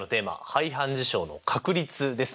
「排反事象の確率」ですね！